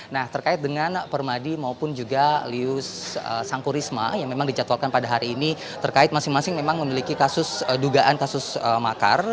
nah terkait dengan permadi maupun juga lius sangkurisma yang memang dicatwalkan pada hari ini terkait masing masing memang memiliki kasus dugaan kasus makar